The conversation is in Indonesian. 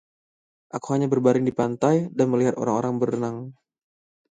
Aku hanya berbaring di pantai dan melihat orang-orang berenang.